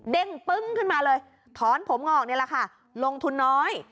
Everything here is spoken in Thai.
ปึ้งขึ้นมาเลยถอนผมงอกนี่แหละค่ะลงทุนน้อย